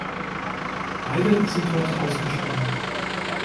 Beide sind heute ausgestorben.